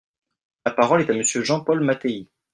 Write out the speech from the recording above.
La parole est à Monsieur Jean-Paul Mattei.